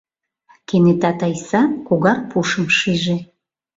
Кенета Тайса когар пушым шиже.